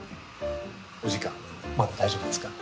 お時間まだ大丈夫ですか？